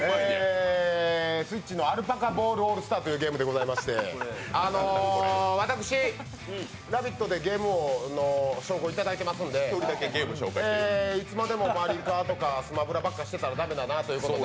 Ｓｗｉｔｃｈの「アルパカボールオールスター」というゲームでございまして私、「ラヴィット！」でゲーム王の称号いただいていますのでいつまでも「マリカー」とか「スマブラ」ばっかりしてたら駄目だなということで。